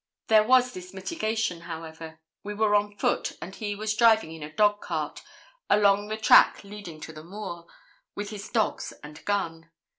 There was this mitigation, however: we were on foot, and he driving in a dog cart along the track leading to the moor, with his dogs and gun.